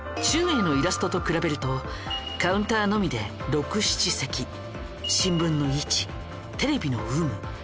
ちゅうえいのイラストと比べるとカウンターのみで６７席新聞の位置テレビの有無